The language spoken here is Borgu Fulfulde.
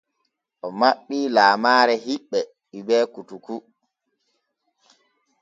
O maɓɓii laamaare hiɓɓe Hubert koutoukou.